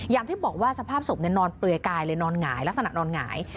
อย่างที่บอกว่าสภาพศพนอนเปลือยกายเลยนอนหงายลักษณะนอนหงาย